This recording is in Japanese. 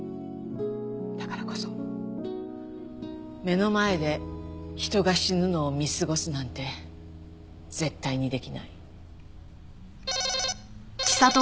だからこそ目の前で人が死ぬのを見過ごすなんて絶対にできない。